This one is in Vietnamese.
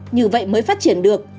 như vậy mới phát triển được